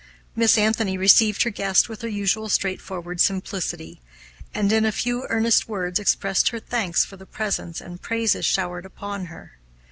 Miss Anthony received her guests with her usual straightforward simplicity, and in a few earnest words expressed her thanks for the presents and praises showered upon her.